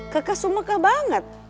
kekeh sumekeh banget